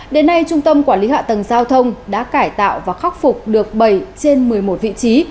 đến nay trung tâm quản lý hạ tầng giao thông đã cải tạo và khắc phục được bảy trên một mươi một vị trí